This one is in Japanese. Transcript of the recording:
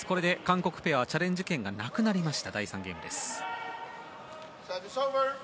韓国ペアはチャレンジ権がなくなった第３ゲームです。